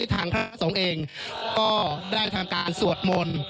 ทั้งพระศงตร์เองก็ได้ทำการสวดหม่น